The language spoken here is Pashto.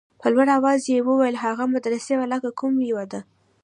په لوړ اواز يې وويل هغه مدرسې والا کوم يو دى.